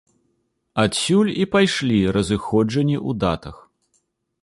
Адсюль і пайшлі разыходжанні ў датах.